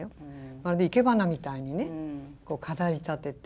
まるで生け花みたいにね飾りたてて。